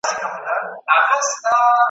صدقه ورکول د زړه سکون زیاتوي.